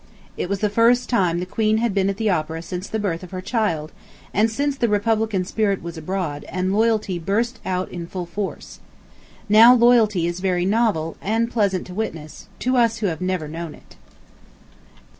It was the first time the Queen had been at the opera since the birth of her child, and since the republican spirit was abroad, and loyalty burst out in full force. Now loyalty is very novel, and pleasant to witness, to us who have never known it.